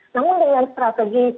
namun dengan strategi